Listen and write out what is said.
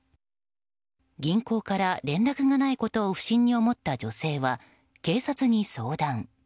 銀行から連絡がないことを不審に思った女性は警察に相談。